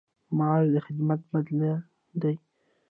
معاش د خدمت بدل دی